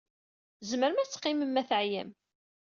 Tzemrem ad teqqimem, ma teɛyam.